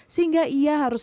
sehingga ia harus